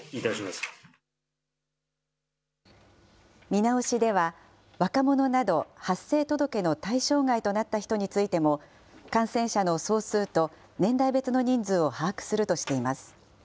見直しでは、若者など発生届の対象外となった人についても、感染者の総数と年代別の人数を把握するとしています。